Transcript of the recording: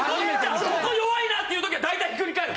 そこ弱いなっていう時は大体ひっくり返る。